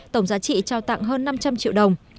tổng giá trị trao tặng hơn năm trăm linh triệu đồng